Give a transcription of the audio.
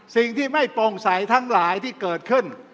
สิ่งที่ไม่โปร่งใสทั้งหลายที่เกิดขึ้น